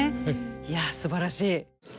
いやすばらしい。